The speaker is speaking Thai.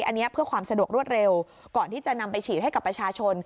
อันนี้เพื่อความสะดวกรวดเร็วก่อนที่จะนำไปฉีดให้กับประชาชน